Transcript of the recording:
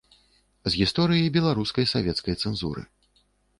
З гісторыі беларускай савецкай цэнзуры.